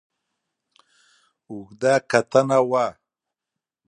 اوږده کتنه وه.